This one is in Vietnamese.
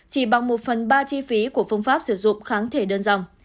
chỉ bằng một phần ba chi phí của phương pháp sử dụng kháng thể đơn giản